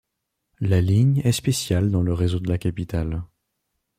La ligne est spéciale dans le réseau de la capitale.